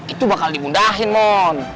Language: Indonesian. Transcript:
itu bakal dimudahin mon